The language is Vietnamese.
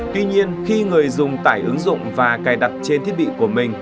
tuy nhiên khi người dùng tải ứng dụng và cài đặt trên thiết bị của mình